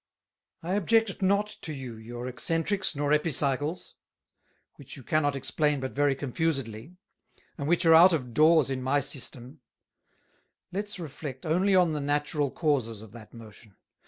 I object not to you your Excentricks nor Epicycles, which you cannot explain but very confusedly, and which are out of doors in my Systeme. Let's reflect only on the natural Causes of that Motion.